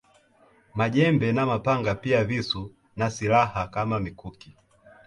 Majembe na mapanga pia visu na silaha kama mikuki